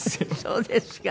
そうですか。